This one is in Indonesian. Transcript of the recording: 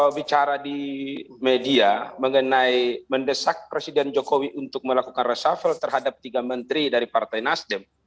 kalau bicara di media mengenai mendesak presiden jokowi untuk melakukan reshuffle terhadap tiga menteri dari partai nasdem